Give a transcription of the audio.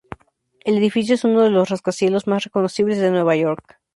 El edificio es uno de los rascacielos más reconocibles de Nueva York.